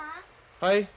はい。